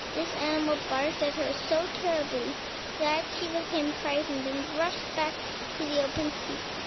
This animal barked at her so terribly that she became frightened, and rushed back to the open sea.